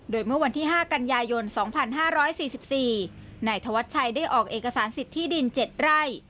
โดยเมื่อวันที่๕กันยายน๒๕๔๔นายธวัชชัยได้ออกเอกสารสิทธิดิน๗ไร่